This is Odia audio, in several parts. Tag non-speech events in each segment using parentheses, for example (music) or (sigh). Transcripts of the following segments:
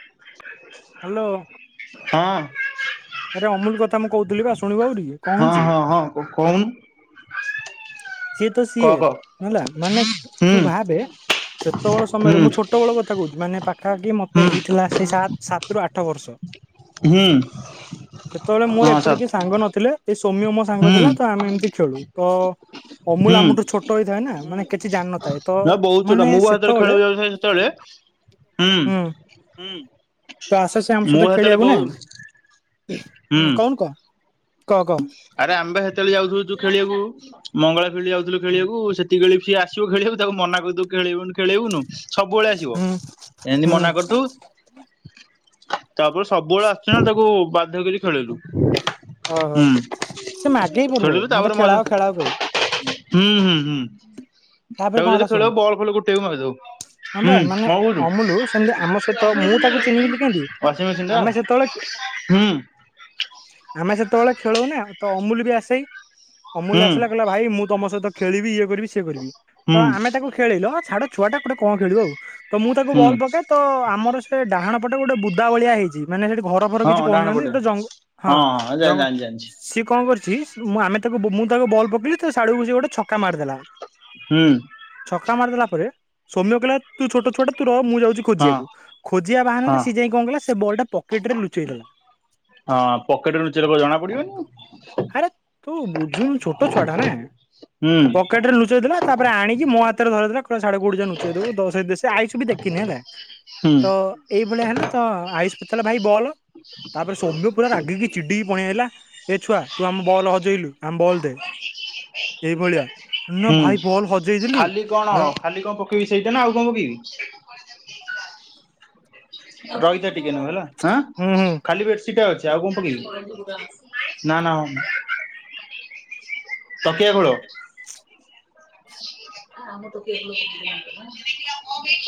(unintelligible) ହ୍ୟାଲୋ ହଁ ଆରେ ଅମୁଲ କଥା ମୁଁ କହୁଥିଲି ବା ଶୁଣିବ ଆଉରୀ? ହଁ- ହଁ -ହଁ କହୁଁନୁ? ସିଏ ତ ସିଏ ହେଲା ମାନେ ହୁଁ ତୁ ଭାବେ ସେତେବେଳ ସମୟରେ ହୁଁ ମୁଁ ଛୋଟ ବେଳ କଥା କହୁଛି ମାନେ ପାଖାପାଖି ମତେ ହୁଁ ହେଇଥିଲା ସେଇ ସତ ସାତରୁ ଆଠ। ଆଠ ବର୍ଷ ହୁଁ ସେତେବେଳେ ହଁ ମୋର ଏପଟେ ସତ କିଏ ସାଙ୍ଗ ନଥିଲେ। ସେ ସୌମ୍ୟ ମୋ ସାଙ୍ଗ ହୁଁ ଥିଲା ତ ଆମେ ଏମିତି ଖେଳୁ। ତ ଅମୁଲ ହୁଁ ଆମଠୁ ଛୋଟ ହେଇଥାଏ ନା ମାନେ କିଛି ଜାଣିନଥାଏ। ତ ନା ବହୁତ ଚୋଟା ମାନେ ମୁଁ ବା ସେତେବେଳେ ଖେଳିବାକୁ ଯାଉଥାଏ ସେତେବେଳେ ହୁଁ -ହଁ ତ ଆସେ ସେ ଆମ ମୁଁ ସହିତ ସେତେବେଳେ ଖେଳିବାକୁ ବହୁ ନା ହୁଁ କହୁନୁ କହ -କହ ଆରେ ଆମ୍ଭେ ସେତେବେଳେ ଯାଉଥିଲୁୁ ଖେଳିବାକୁ। ମଙ୍ଗଳା ଫିଲ୍ଡ ଯାଉଥିଲୁ ହୁଁ ଖେଳିବାକୁ ସେ (unintelligible) କିଏ ଆସିବ ଖେଳିବୁ ତାକୁ ମନା କରିଦବୁ ଖେଳେଇବୁନୁ ଖେଳେଇବୁନୁ ସବୁବେଳେ ଆସିବ। ହୁଁ ଏମିତି ହୁଁ ମନା କରୁଥୁ ତାପରେ ସବୁବେଳୁ ଆସୁଛି ନା ତାକୁ କୁ ବାଧ୍ୟ କରି ଖେଳିଲୁ। ଓହୋ ସେ ମାଗେ ଖେଳିଲୁ ପ୍ରର୍ବଳ ମତେ ତାପରେ ମଜା ଖେଳାଅ ଖେଳାଅ କହି। ହୁଁ -ହୁଁ -ହୁଁ ତାକୁ ତାପରେ କଣ ହେଲା ଯଦି ଶୁଣୁ ଖେଳ ବଲ ଖେଳ ହଁ ବା ଗୋଟେ ମାନେ ବି ଅମୁଲୁ ସେମିତି ମାରିଦବ। ଆମ ସହିତ ହୁଁ ମୁଁ ତାକୁ କଣ ଚିହ୍ନିବିିଲି କେମିତି କହୁଛୁ ୱାସିଂ ଆମେ ମେସିନ ସେତେବେଳେ ଟା? ହୁଁ ଆମେ ସେତେବେଳେ ଖେଳଉନା ତ ଅମୁଲ ବି ଆସେ ଅମୁଲ ହୁଁ ଆସିଲା କହିଲ ଭାଇ ମୁଁ ତମ ସହିତ ଖେଳିବି ଇଏ କରିବି ସିଏ କରିବି। ତ ହୁଁ ଆମେ ତାକୁ ଖେଲେଇଲ ଛାଡ ଛୁଆ ଟା ଗୋଟେ କଣ ଖେଳିବ ଆଉ। ତ ମୁଁ ତାକୁ ହୁଁ ବଲ ପକାଏ ତ ଆମର ସେ ଡାହାଣ ପଟେ ଗୋଟେ ବୁଦା ଭଳିଆ ହେଇଛି ମାନେ ସେଠି ଘ (unintelligible) ହଁ କିଛି ଡାହାଣ କରହୁନାହାନ୍ତି ପଟେ ସେଟ ଜ ହଁ ଜ ସିଏ କଣ କରିଛି ମୁଁ ଆମେ ତାକୁ ମୁଁ ତାକୁ ବଲ୍ ପକେଇି ସେ ସାଡ କୁ ସେ ଗୋଟେ ଛକା ମାରିଦେଲା। ହୁଁ ଛକା ମାରିଦେଲା ପରେ ସୋମ୍ୟ କହିଲା। ତୁ ଛୋଟ ଛୋଟ ତୁ ର ମୁଁ ଯାଉଛି ହଁ ଖୋଜିଆକୁ। ଖୋଜିଆ ହଁ ବାହାନାରେ ସେ ଯାଇକି କଣ କଲା ସେ ବଲ୍ ଟା ପକେଟ ରେ ଲୁଚେଇ ଦେଲା। ହଁ ପକେଟରେ ଲୁଚେଇଲେ କଣ ଜଣା ପଡିବନି। ଆରେ ତୁ ବୁଝୁନୁ ଛୋଟ ଛୁଆ ଟା ନା ହୁଁ ପକେଟ ରେ ଲୁଚେଇ ଦେଲା। ତାପରେ ଆଣିକି ମୋ ହାତରେ ଧରେଇ ଦେଲା କହିଲା ସାଢେ କୋଉଠି ଯା ନୁଛେଇ ଦବୁ। ଦଶ ଆୟୁଷ୍ ବି ଦେଖିନି ହେଲା। ତ ଏଇ ଭଳିଆ ହେଲେ। ତ ଆୟୁଷ୍ ପଚାରିଲା ଭାଇ ବଲ? ତାପରେ ସୌମ୍ୟ ପୁରା ରାଗିକି ଚିଡିକି ପଳି ଆସିଲା। ଏ ଛୁଆ ତୁ ଆମ ବଲ ହଜେଇଲୁ ଆମ ବଲ୍ ଦେ। ଏଇଭଳିଆ ନା ହୁଁ ଭାଇ ବଲ୍ ହଜେଇଦେଲି ଖାଲି କଣ ନା ଖାଲି କଣ ପକେଇବି ସେଇଟା ନା ଆଉ କଣ ପକେଇବି? ରହିତା ଟିକେ ନ ହେଲାଁ ହୁଁ ହୁଁ ଖାଲି ବେଡ୍ ସେଟା ଅଛି ଆଉ କଣ ପକେଇବି? ନା ନା ହ ତକିଆ ଖୋଳ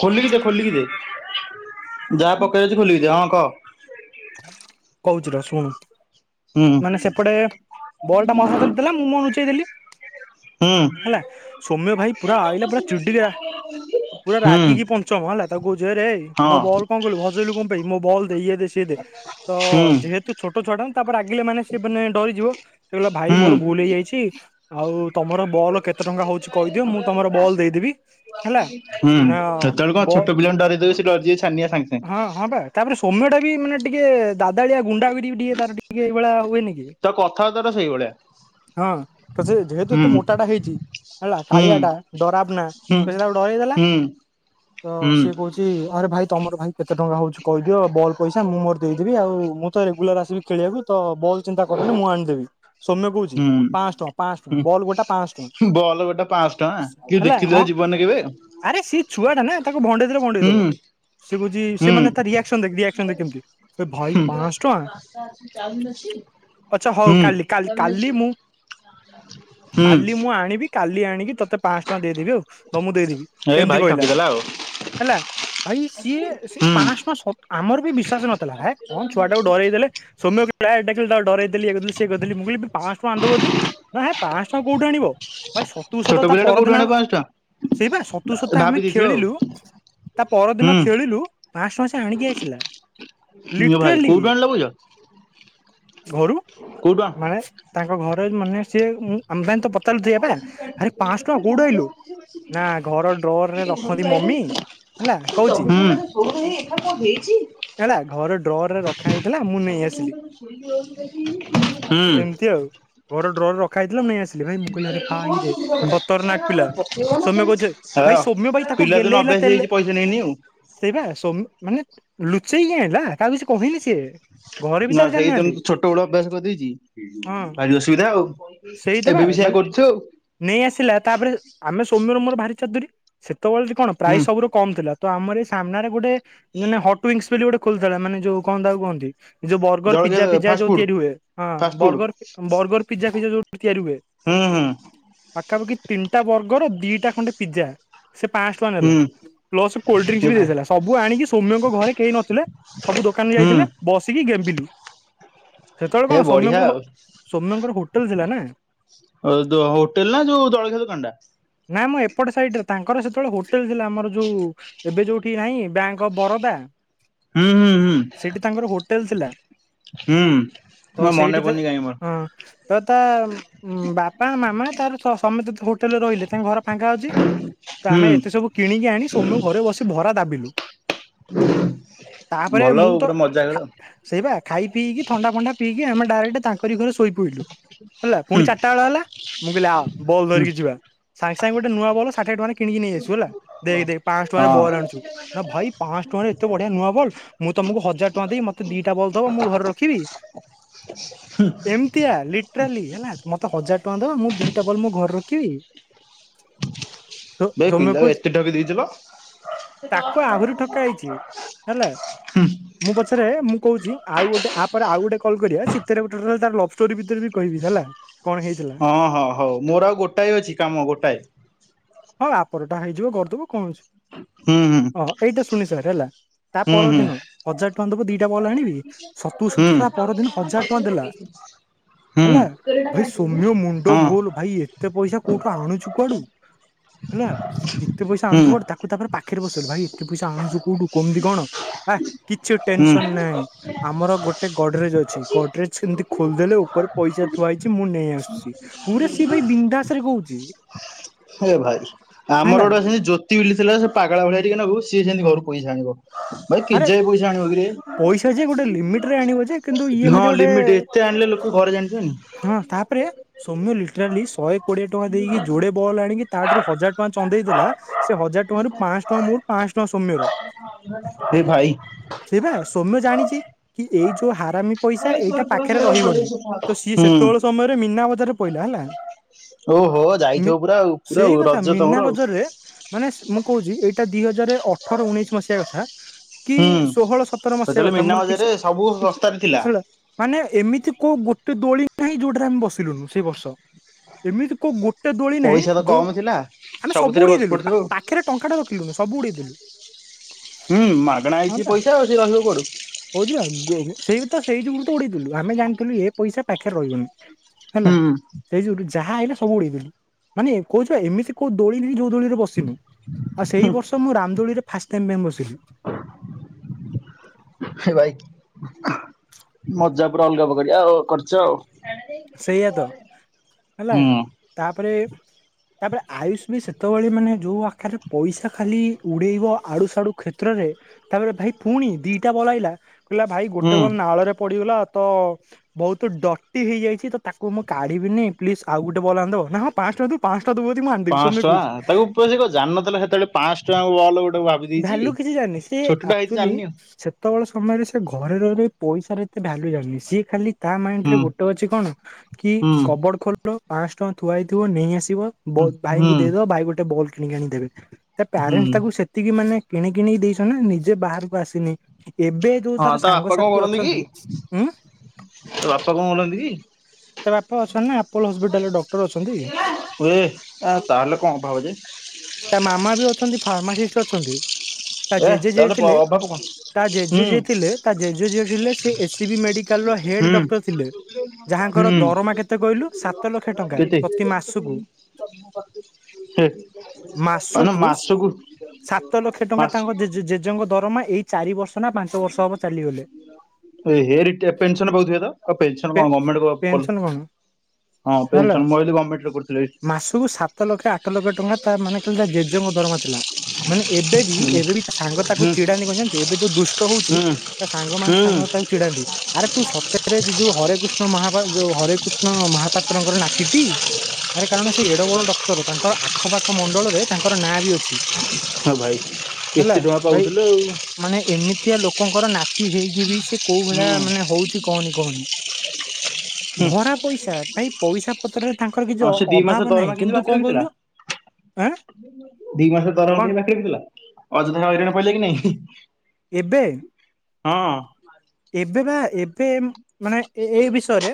ଖୋଲିକି ଦେ। ଖୋଲିକି ଦେ। ଯାହା ପକେଇଛି ଖୋଲିକି ଦେ। ହଁ କହ କହୁଛି ର ଶୁଣୁ। ହୁଁ ମାନେ ସେପଟେ ବଲ ଟା ମୋ ହାତ ରେ ଥିଲା। ମୁଁଲୁଚେଇ ଦେଲି ହୁଁ ହେଲା। ସୌମ୍ୟ ଭାଇ ପୁରା ଆଇଲା ପୁରା ଚିିଡିକି ପୁରା ହୁଁ ରାଗିକି ପଞ୍ଚମ ହେଲା। ତାକୁ କହୁଛି ହଇରେ ରେ ମୋ ହଁ ବଲ କଣ କରିଲୁ। ହଜେଇଲୁ କଣ ପାଇଁ। ମୋ ବଲ ଦେ ଇ ଦେ ସିଏ ଦେ। ତ ହୁଁ ଯେହେତୁ ଛୋଟ ଛୁଆଟାନା ତାପରେ ରାଗିଲେ ମାନେ ସେ ମାନେ ଡରିଯିବ। ସେ କହିଲା ଭାଇ ହୁଁ। ମୋର ଭୁଲ ହେଇଯାଇଛି। ଆଉ ତମର ବଲ୍ କେତେ ଟଙ୍କା ହଉଛି କହିଦିଅ। ମୁଁ ତମର ବଲ୍ ଦେଇଦେବି। ହେଲା। ହୁଁ ନା ସେତେବେଳେ ବ କଣ ଛୋଟ ପିଲାଙ୍କୁ ଡରିଇଦେବେ ସେ ଡରିଯିବେ ଛାନିଆ ସାଙ୍ଗେ ହଁ ସାଙ୍ଗେ। ହଁ ବା ତାପରେ ସୌମ୍ୟଟା ବି ମାନେ ଟିକେ ଦାଦାଳିଆ ଗୁଣ୍ଡା ହାବି ଟି ବିଟ ଟିକେ ତାର ଟିକେ ଏଇଳିଆ ହୁଏନି କି। ତା କଥା ବାର୍ତାରା ସେ ସେଇ ଭଳିଆ। ହଁ ତ ସେ ଯେହେତୁ ଏତେ ମୋଟାଟା ହେଇଛି। ହେଲା ହୁଁ କାଳିଆ ଟା ଡରାବ ନା ହୁଁ। ତ ସେ ତାର ଡରେଇ ଦେଲା ହୁଁ ତ ହୁଁ ସିଏ କହୁଛି ଟି ଆରେ ଭାଇ ତମର ଭାଇ କେତେ ଟଙ୍କା ହଉଛି କହିଦିଅ ବଲ ପଇସା ମୁଁ ମୋର ଦେଇଦେବି। ଆଉ ମୁଁ ତ ରେଗୁଲାର ଆସିବି ଖେଳିବାକୁ ତ ବଲ୍ ଚିନ୍ତା କରନି ମୁଁ ଆଣିଦେବି। ସୌମ୍ୟ କହୁଛି। ହୁଁ ପାଆଁଶ ଟଙ୍କା। ପାଆଁଶ ହୁଁ ଟଙ୍କା। ବଲ ଗୋଟା ପାଆଁଶ ଟଙ୍କା। କେବେ ହେଲା ଦେଖିଥିଲା ହଁ ଜୀବନରେ କେବେ। ଆରେ ସିଏ ଛୁଆଟା ନା ତାକୁ ଭଣ୍ଡେଇ ଦେଲେ ହୁଁ ଭଣ୍ଡେଇ ଦବ। ସେ କହୁଛି ହୁଁ ସେ ମାନେ ତା ରିଆକ୍ସନ ଦେଖେ ରିଆକ୍ସନ ଦେଖେ କେମିତି। ଆରେ ଭାଇ ପାଆଁଶ ଟଙ୍କା ଚ-ଚ-ଚ ଆଛା ହଉ ହୁଁ। କାଲି କାଲି କାଲି ମୁଁ ହୁଁ କାଲି ମୁଁ ଆଣିବି। କାଲି ଆଣିବି। କି ତତେ ପାଆଁଶ ଟଙ୍କା ଦେଇଦେବି ଆଉ। ତ ମୁଁ ଦେଇଦେବି ଏ ଏମିତି ଭାଇ କହିଲା। ଠକିଦେଲା ଆଉ ହେଲା ଭାଇ ସିଏ ସେ ହୁଁ। ପାଆଁଶ ଟଙ୍କା ସତ ଆମର ବିଶ୍ୱାସ ନଥିଲା ହେ କଣ ଛୁଆ ଟାକୁ ଡରେଇ ଦେଲେ ସୌମ ବି ଏ ଦେଖିଲୁ ଡରେଇ ଦେଲି ଇଏ କରିଦେଲି ସିଏ କରିଦେଲି ମୁଁ କହିଲି ପାଆଁଶ ଟଙ୍କା ଆଣିବ ଯଦି ନା ହେ ପାଆଁଶ ଟଙ୍କା କୋଉଠୁ ଆଣିବ। ଭାଇ ସତୁକୁ ଛୋଟ ଶତ ତା ପିଲାଟା କୋଉଠୁ ପରଦିନ ଆଣିବ ଆମେ ପାଁଶ ଟଙ୍କା ସେଇ ପା ସତୁକୁ ଶତା ଭାବି ଆମେ ଦେଇଥିବ ଆଉ ଖେଳିଲୁ ତା ପରଦିନ ହୁଁ ଖେଳିଲୁ ପାଆଁଶ ଟଙ୍କା ସେ ଆଣିକି ଆସିଲା। ଇଲୋ ଭାଇ ଲିଟ୍ରେଲି କୋଉଠୁ ଆଣିଲ ବୁଝ ଘରୁ କୋଉଠୁ ଆଣ ମାନେ ତାଙ୍କ ଘରେ ମାନେ ସିଏ ମୁଁ ଆମ ପାଇଁ ପ ତାହେଲେ ସେଆପା ଆରେ ପାଆଁଶ ଟଙ୍କା କୋଉଠିଲୁ ଆଣିଲୁ? ନା ଘର ଡ୍ରରରେ ରଖନ୍ତି ମମି। ହେଲା କହୁଛି। ହଉ ହଉ ଏଇ ଏଠା କଣ ହେଇଚି। ହେଲା ଘର ଡ୍ରରରେ ରଖା ହେଇଥିଲା ମୁଁ ହୁଁ ହଁ ନେଇ ଆସିଲି ଏମିତି ଆଉ। ଘର ଡ୍ରରେ ରଖା ହେଇଥିଲା ନେଇଆସି ହଁ ପିଲା। ସୌମ୍ୟ କହୁଛି ଭାଇ ସୌମ୍ୟ ଭାଇ ପିଲାଦିନୁ ଅଭ୍ୟାସ ହେଇଛି। ପଇସା ନେଇନି ଆଉ। ସେଇପା ସୋମୌ ମାନେ ସେଇ ଆଣିଲା ତାହାକୁ କିଛି କହିନି ସିଏ। ଘରେ ବି ନା ତାର ଜାଣିନାହାନ୍ତି ସେଇଦିନୁ ଛୋଟ ବେଳୁ ଅଭ୍ୟାସ ହଁ କରିଦେଇଛି। ଭାରି ଅସୁବିଧା ଆଉ ସେଇତ ବା ଏବେ ବି ମାନେ ସେଇଆ କରୁଛୁ ଆଉ। ନେଇ ଆସିଲା ତାପରେ ଆମେ ସୋମ୍ୟ ର ମୋର ଭାରି ଚତୁରୀ ସେତ ବେଳେ ଯେ କଣ ହୁଁ ପ୍ରାଇଜ୍‌ ସବୁୁ ର କମ ଥିଲା ତ ଆମର ଏଇ ସାମ୍ନାରେ ଗୋଟେ ମାନେ ହଟ୍ ୱିସ ବୋଲି ଗୋଟେ ଖୋଲିୁଥିଲା ମାନେ ଯୋଉ କଣ ତାକୁ କୁହନ୍ତି ଯୋଉ ବର୍ଗର ଜଳଖିଆ ପିଜା ପିଜା ଫାଷ୍ଟ ଯୋଉ ଫୁଡ ତିଆରି ହୁଏ ହଁ ଫାଷ୍ଟ ଫୁଡ ବର୍ଗର ତମ ବର୍ଗର ପିଜା ଫିଜା ଯଉିଟି ତିଆରି ହୁଏ। ହୁଁ ହୁଁ। ପାଖାପାଖି ତିନିଟା ବର୍ଗର ଦିଟା ଖଣ୍ଡେ ପିଜା। ସେ ପାଆଁସହ ଟଙ୍କା ନେଲା ହୁଁ ପ୍ଲସ କୋଲ୍ଡ ଏ ଡ୍ରିଙ୍କସ ବି ଭାଇ ଦେଇଦେଲା ସବୁ ଆଣିକି ସୌମ୍ୟଙ୍କ ଘରେ କେହି ନଥିଲେ ସବୁ ଦୋକାନ ହୁଁ ଯାଇଥିଲେ ବସିକି ଗେମ୍ବିଲୁ। ସେତେ ବେଳେ ଏ କଣ ବଢିଆ ସୋମ୍ୟଙ୍କର ଆଉ। ସୋମ୍ୟଙ୍କର ହୋଟେଲ ଥିଲା ନା। ଅ ଦୋଉ ହୋଟେଲ ନା ଯୋଉ ଜଳଖିଆ ଦୋକାନା ଟା। ନା ମ ଏପଟେ ସାଇଡ ରେ ତାଙ୍କର ସେତେବେଳେ ହୋଟେଲ ଥିଲା ଆମର ଯୋଉ ଏବେ ଯୋଉଠି ନାହିଁ ବ୍ୟାଙ୍କ ଅଫ୍ ବରୋଦା। ହୁଁ ହୁଁ। ହୁଁ ସେଇଠି ତାଙ୍କର ହୋଟେଲ ଥିଲା ହୁଁ। ତ ମୋ ମନେ ସେଇଠି ତ ପଡୁନି କାଇଁ ମୋର ହଁ ତ ତା ବାପା ମାମା ତାର ସମେତ ହୋଟେଲରେ ରହିଲେ ତାଙ୍କ ଘର ଫାଙ୍କା ଅଛି, ତ ହୁଁ ଆମେ ଏତେ ସବୁ କିଣିକି ଆଣି ସୋମ୍ୟକୁ ଘରେ ବସି ଭରା ଦାବିଲୁ। ଭଲ ଆଉ, ପୁରା ମଜା କଲ। ସେଇବା ଖାଇ ପିଇକି ଥଣ୍ଡା ଫଣ୍ଡା ପିଇକି ଆମେ ଡ଼ାରେକ୍ଟ ତାଙ୍କରି ଘରେ ଶୋଇ ପଡିଲୁ। ହେଲା ହୁଁ ପୁଣି ଚାରିଟା ବେଳ ହେଲା, ମୁଁ କହିଲି ଆ ବଲ ହୁଁ ଧରିକି ଯିବା ସାଙ୍ଗେ ସାଙ୍ଗେ ଗୋେ ନୂଆ ବଲ ଷାଠିଏ ଟଙ୍କାରେ କିଣିକି ନେଇ ଆସୁ ହେଲା, ଦେଖ ଦେଖ ପାଞ୍ଚଶ ଟଙ୍କାରେ ହଁ ବଲ ଆଣିଛୁ, ନା ଭାଇ ପାଞ୍ଚଶ ଟଙ୍କାରେ ଏ ଏତେ ବଢିଆ ନୂଆ ବଲ୍, ମୁଁ ତମକୁ ହଜାର ଟଙ୍କା ଦେବି ମତେ ଦିଟା ବଲ୍ ଦବ, ମୁଁ ଘରେ ରଖିବି। ହୁଁ। ଏମିତିଆ ଲିଟ୍ରାଲି ହେଲା, ମତେ ହଜାର ଟଙ୍କା ଦବ ମୁଁ ଦିଟା ବଲ୍ ମୋ ଘରେ ରଖିବି। ବେ ସୌମ୍ୟ ପିଲା କୁ କହୁଚି, ଏତେ ଠକି ଦେଇଥିଲ। ତାକୁ ଆହୁରି ଠକା ହେଇଛି। ହେଲା। ମୁଁ ପଛରେ, ମୁଁ କହୁଛି ଆଉ ଗୋଟେ ଆପ ପରେ ଆଉ ଗୋଟେ କଲ କରିବା, ଶୀତରେ ଲଭଷ୍ଟୋରି ଭିତରେ ବି କହିବି ହେଲା କଣ ହେଇଥିଲା ହଁ ହଁ ହଉ, ମୋର ଆଉ ଗୋଟାଏ ଅଛି କାମ ଗୋଟାଏ। ହଁ ଆପରଟା ହେଇଯିବ କରିଦବ କଣ ଅଛି। ହୁଁ ହୁଁ। ହଁ ଏଇଟା ଶୁଣି ସାର୍ ହେଲା, ତା ହୁଁ ହୁଁ। ପରଦିନ ହଜାର ଟଙ୍କା ଦବ ଦିଟା ବଲ ଆଣିବି। ସତୁ ହୁଁ ହୁଁ ସତ ତା ପରଦିନ ହଜାର ଟଙ୍କା ଦେଲା। ହେଲା, ଭାଇ ସୌମ୍ୟ ମୁଣ୍ଡ ହଁ ଗୋଲ ଭାଇ ଏତେ ପଇସା କୋଉଠୁ ଆଣୁଛୁ କୁଆଡୁ? ହେଲା ଏତେ ପଇସା ହୁଁ ଆଣୁଚୁ କୁଆଡୁ, ତାକୁ ତାପରେ ପାଖରେ ବସେଇଲୁ ଭାଇ ଏତେ ପଇସା ଆଣୁଚୁ କୋଉଠୁ କେମିତି କଣ? ହା କିଛି ହୁଁ। ଟେନସନ ନାହିଁ। ଆମର ଗୋଟେ ଗଡରେଜ ଅଛି, ଗଡରେଜ ଏମିତି ଖୋଲିଦେଲେ ଉପରେ ପଇସା ଥୁଆ ହେଇଛି ମୁଁ ନେଇ ଆସୁଛି। ପୁରା ସିଏ ଭାଇ ବିନ୍ଦାସ ରେ କହୁଛି। ହେ ଭାଇ, ଆମର ହେଲା ଗୋଟେ ସେମତି ଜ୍ୟୋତି ବିଲି ଥିଲା, ସେ ପାଗଳା ଭଳିଆ ଟିକେ ନାଗୁ। ସେ ସେମିତି ଘରୁ ପଇସା ଆଣିବ, ଭାଇ ଆରେ କେଯାଏ ପଇସା ଆଣିବ କିରେ? ପଇସା ଯେ ଗୋଟେ ଲିମିଟ ରେ ଆଣିବ ଯେ କିନ୍ତୁ ଇଏ ହଁ ଏମିତି ଗୋଟେ ଲିମିଟ, ଏତେ ଆଣିଲେ ଲୋକ ଘରେ ଜାଣିିବେନି। ହଁ ତାପରେ ସୌମ୍ୟ ଲିଟରାଲି ଶହେ କୋଡିଏ ଟଙ୍କା ଦେଇକି, ଯୋଡେ ବଲ ଆଣିକି ତାଠାରୁ ହଜାର ଟଙ୍କା ଚନ୍ଦେଇ ଦେଲା। ସେ ହଜାର ଟଙ୍କା ରୁ ପାଞ୍ଚ ଶହ ଟଙ୍କା ମୋର, ପାଞ୍ଚ ଶହ ଟଙ୍କା ସୌମ୍ୟର। ଏ ଭାଇ। ସେଇ ବା, ସୌମ୍ୟ ଜାଣିଛି କି ଏଇ ଯୋଉ ହାରାମି ପଇସା ଏଇଟା ପାଖରେ ରହିବନି, ତ ସିଏ ହୁଁ ସେତେବେଳ ସମୟରେ ମୀନା ବଜାରେ ପଇଲା ହେଲା। ଓହୋ ଯାଇଥିବ ପୁରା ଆଉ ପୁରା ଆଉ ସେଇ କଥା ରଜ ତମର ମିନା ଆଉ ବଜାରରେ ମାନେ ମୁଁ କହୁଛି, ଏଇଟା ଦି ହଜାର ଅଠର ଉଣେଇଶ ମସିହା କଥା। କି ହୁଁ, ଷୋହଳ ସତର ମସିହା ସେତେବେଳେ କଥା ମିନା ମୋର ଠିକ ସେ ବଜାରରେ ସବୁ ଶସ୍ତାରେ ଥିଲା। ହେଲା ମାନେ ଏମିତି କୋଉ ଗୋଟେ ଦୋଳି ନାହିଁ ଯୋଉଟାରେ ଆମେ ବସିଲୁନୁ ସେଇ ବର୍ଷ। ଏମିତି କେୋଉ ଗୋଟେ ଦୋଳି ନାହିଁ ପଇସା ତ ଯୋଉ କମ ଥିଲା ଆମେ ସବୁ ସବୁଥିରେ ବସି ଉଡେଇଦଲୁ, ପଡିଥିଲୁ ପାଖରେ ଟଙ୍କାଟା ରଖିଲୁନି ସବୁ ଉଡେଇ ଦେଲୁ। ହୁଁ ମାଗଣା ହଁ ହେଇଛି ବା ପଇସା ଆଉ ସେ ରହିବ କୁଆଡୁ। କହୁଛୁ ବା ଗୋ ସେଇ ତ ସେଇ ଯୋଗୁ ତ ଉଡେଇଦେଲୁ, ଆମେ ଜାଣିଥିଲୁ ଏ ପଇସା ପାଖରେ ରହିବନି। ହେଲା, ହୁଁ ସେଇ ଯୋଗୁ ଯାହା ଆଇଲା ସବୁ ଉଡେଇଦେଲୁ, ମାନେ କହୁଚି ବା ଏମିତି କୋଉ ଦୋଳିି ନାହିଁ ଯୋଉ ଦୋଳିରେ ବସିନୁ, ଆଉ ସେଇ ବର୍ଷ ମୁଁ ରାମଦୋଳିରେ ଫାଷ୍ଟ ଟାଇମ ପାଇଁ ବସିଲି। ହେ ଭାଇ, ମଜା ପୁରା ଅଲଗା ପ୍ରକାରିଆ ଆଉ କରିଚ ସେଇଆ ଆଉ। ତ ହେଲା ହୁଁ। ତାପରେ ତାପରେ ଆୟୁଷ ବି ସେତେବେଳେ ମାନେ ଯୋଉ ଆକାରରେ ପଇସା ଖାଲି ଉଡେଇବ ଆଡୁସଡୁ କ୍ଷେତ୍ରରେ ତାପରେ ଭାଇ ପୁଣି ଦିଟା ବଲ ଆଇଲା। କହିଲା ଭାଇ ଗୋଟେ ହୁଁ ବଲ ନାଳରେ ପଡିଗଲା ତ ବହୁତ ଡଟି ହେଇଯାଇଛି। ତ ତାକୁ ମୁଁ କାଢିବିନି ପ୍ଲିଜ୍ ଆଉ ଗୋଟେ ବଲ ଆଣି ଦବ, ନା ହଁ। ପାଞ୍ଚ ଶହ ଟଙ୍କା ଦବୁ, ପାଞ୍ଚ ଶହ ଟଙ୍କା ଦବୁ ଯଦି ମୁଁ ଆଣି ଦେବି, ପାଁଶ ସୌମ୍ୟ ଟଙ୍କା କହୁଚି। ତାକୁ ସେ କଣ ଜାଣି ନଥିଲା ସେତେବେଳେ ପାଂ ସ୍ ଟଙ୍କା ବଲ ଗୋଟେ ଦେଇଛି ଭ୍ୟାଲ୍ୟୁ କିଛି ଜାଣିନି, ସେ ଛୋଟଟା ହେଇଛି ଆକ୍ଚୁଆଲି ଜାଣିନି ଆଉ ଯେତେବେଳେ ସମୟରେ ସେ ଘରେ ରହି ରହି, ପଇସାର ଏତେ ଭାଲ୍ୟୁ ଜାଣନି। ସିଏ ଖାଲି ତା ମାଇଣ୍ଡରେ ହୁଁ ଗୋଟେ ଅଛି କଣ, କି ହୁଁ କବର୍ଡ଼ ଖୋଲ ପାଞ୍ଚଶହ ଟଙ୍କା ଥୁଆ ହେଇଥିବ ନେଇ ଆସିବ। ବୋ ହୁଁ ହୁଁ ଭାଇଙ୍କୁ ଦେଇ ଦବ, ଭାଇ ଗୋଟେ ବଲ୍ କିଣିକି ଆଣିଦେବେ। ତା ହୁଁ ପ୍ୟାରେଣ୍ଟ ତାକୁ ସେ ସେତିକି ମାନେ କିଣ କିଣିକି ଦେଇଛନ୍ତି ନା, ନିଜେ ବାହାରକୁ ଆସିନି। ଏବେ ଯୋଉ ହଁ ତାର ତା ବାପା କଣ ସାଙ୍ଗସାଥି କରନ୍ତି କି ଅଛନ୍ତି, ଉଁ ତା ବାପା କଣ କରନ୍ତି କି ତା ବାପା ଅଛନ୍ତି ନା, ଆପୋଲୋ ହସ୍ପିଟାଲରେ ଡକ୍ଟର ଅଛନ୍ତି। ହୁଏ ତାହେଲେ କଣ ଅଭାବ ଯେ। ତା ମାମା ବି ଅଛନ୍ତି, ଫାର୍ମାସିଷ୍ଟ ଅଛନ୍ତି। ତା ଏ ଜେଜେ ଯିଏ ତାହେଲେ ଥିଲେ, ଅଭାବ କଣ ତା ଜେଜେ ହୁଁ ଯିଏ ଥିଲେ, ତା ଜେଜେ ଯିଏ ଥିଲେ ସେ ଏସ ସି ବି ମେଡିକାଲର ହେଡ୍ ଡକ୍ଟର ଥିଲେ। ହୁଁ ଯାହାଙ୍କର ହୁଁ ଦରମା କେତେ କହିଲୁ, ସାତ ଲକ୍ଷ ଟଙ୍କା କେତେ? ପ୍ରତି ମାସକୁ। ହେ। ମାସକୁ ସାତ ଲକ୍ଷ ଟଙ୍କା ମାସ ତାଙ୍କ ଜେଜେ ଜେଜେଙ୍କ ଦରମା। ଏଇ ଚାରି ବର୍ଷ ନା ପାଞ୍ଚ ବର୍ଷ ହବ ଚାଲିଗଲେ। ଏ ହେରେ ପେନ୍ସନ୍ ପାଉଥିବେ ତ, ପେନସନ୍ ପେ କଣ ଗର୍ଣ୍ଣମେଣ୍ଟ କଲୁ ପେନସନ କଣ ହଁ ହେଲା ପେନ୍ସନ ମୁଁ ଭାବିଲି ଗମେଣ୍ଟରେ କରୁଥିଲେ ବୋଲି। ମାସକୁ ସାତ ଲକ୍ଷ ଆଠ ଲକ୍ଷ ଟଙ୍କା ତା ମାନେ ଖାଲି ତା ଜେଜେଙ୍କ ଦରମା ଥିଲା। ମାନେ ଏବେ ବି ହୁଁ ଏବେ ବି ତା ସାଙ୍ଗ ତାକୁ ହୁଁ ଚିଡ଼ାନ୍ତି କଣ ଜାଣିଛୁ, ଏବେ ଯୋଉ ଦୁଷ୍ଟ ହଉଛି ହୁଁ ତା ସାଙ୍ଗ ମାନେ ହୁଁ ସାଙ୍ଗ ତାକୁ ଚିଡ଼ାନ୍ତି। ଆରେ ତୁ ସତରେ ସେ ଯୋଉ ହରେକୃଷ୍ଣ ମହା ଯୋଉ ହରେକୃଷ୍ଣ ମହାପାତ୍ରଙ୍କର ନାତିଟି? ଆରେ କାରଣ ସେ ଏଡ଼ ବଡ ଡକ୍ଟର, ତାଙ୍କର ଆଖପାଖ ମଣ୍ଡଳରେ ତାଙ୍କର ନାଁ ବି ଅଛି। ହଁ ଭାଇ ହେଲା ଏତେ ଟଙ୍କା ଭାଇ ପାଉଥିଲେ ଆଉ। ମାନେ ଏମିତିଆ ଲୋକଙ୍କର ନାତି ହେଇକି ବି, ସେ କୋଉ ହୁଁ ଭଳିଆ ମାନେ ହଉଚି କହନି କହନି। ହୁଁ ଭଡ଼ା ପଇସା ଭାଇ ପଇସା ପତ୍ରରେ ତାଙ୍କର କିଛି ଆଉ ସେ ଦି ମାସ ଅଭାବ ଦରମା ନାହିଁ, କେମିତି କିନ୍ତୁ ବାକି କଣ ରଖିଥିଲା କହିଲୁ ଆଁ ଦି ମାସରେ କଣ ଦରମା (unintelligible) ଥିଲା ଅଯଥାରେ ହଇରାଣ ପଇଲେ କି ନାଇଁ। ଏବେ ହଁ। ଏବେ ବା ଏବେ ମାନେ ଏଇ ବିଷୟରେ,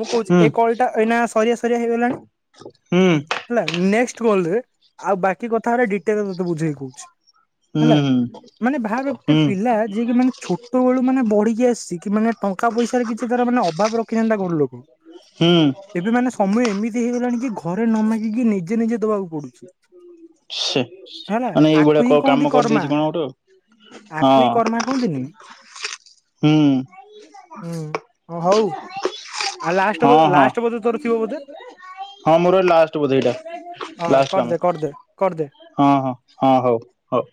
ମୁଁ କହୁଛି ହୁଁ ଏ କଲ୍ ଟା ଏଇନା ସରିିଆ ସରିଆ ହେଇଗଲାଣି। ହୁଁ। ହେଲା ନେକ୍ସଟ୍ କଲ୍ ରେ, ଆଉ ବାକି କଥାଗୁରା ଡିଟେଲରେ ତତେ ବୁଝେଇ କହୁଛି। ହେଲା, ହୁଁ ମାନେ ଭାବେ ଗୋଟେ ହୁଁ ପିଲା ଯିଏକି ମାନେ ଛୋଟ ବେଳୁ ମାନେ ବଡ (unintelligible) ମାନେ ଟଙ୍କା ପଇସାରେ କିଛି ତାର ମାନେ ଅଭାବ ରଖିନାହାନ୍ତି ତା ଘର ଲୋକ। ହୁଁ ଏବେ ମାନେ ସମୟ ଏମିତି ହେଇଗଲାଣି କି, ଘରେ ନ ମାଗିକି ନିଜେ ନିଜେ ଦବାକୁ ପଡୁଛି। ସେ ହେଲା ମାନେ ଆକୁ ଏଇଭଳିଆ ହିଁ କ କହନ୍ତି କାମ କର୍ମା। କରିଦେଇଛି କଣ ଗୋଟେ ଆକୁ ଆଉ ହିଁ କର୍ମା କହନ୍ତିନି? ହୁଁ। ହୁଁ-ହଁ ହଉ। ଆଉ ଲାଷ୍ଟ ଲାଷ୍ଟ ବୋଧେ ତୋର ଥିବ ବୋଧେ ହଁ-ହଁ-ହଁ ମୋର ଏ ଲାଷ୍ଟ ବୋଧେ ଏଇଟା? ହଁ କରଦେ କରଦେ କରଦେ। ହଁ-ହଁ-ହଁ ହଉ। ହଉ।